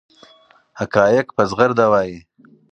حقایق په زغرده وایي.